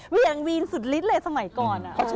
เวียงวีนสุดฤทธิ์เลยสมัยก่อน